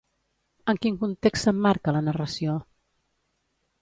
En quin context s'emmarca la narració?